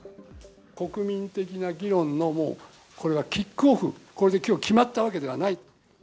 国民的な議論のもう、これはキックオフ、これできょう決まったわけではない。